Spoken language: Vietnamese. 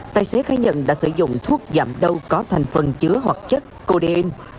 tài xế khai nhận đã sử dụng thuốc giảm đau có thành phần chứa hoặc chất codeine